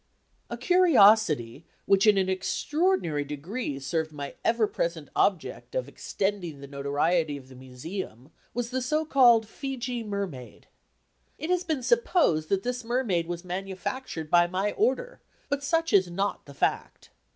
A curiosity, which in an extraordinary degree served my ever present object of extending the notoriety of the Museum was the so called "Fejee Mermaid." It has been supposed that this mermaid was manufactured by my order, but such is not the fact.